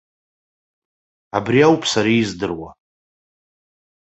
Абри ауп сара издыруа.